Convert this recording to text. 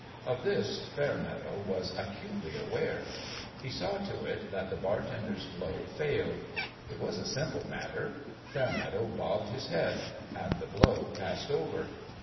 Of this, Fairmeadow was acutely aware. He saw to it that the bar tender's blow failed. It was a simple matter. Fairmeadow bobbed his head and the blow passed over.